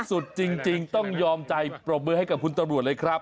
สุดจริงต้องยอมใจปรบมือให้กับคุณตำรวจเลยครับ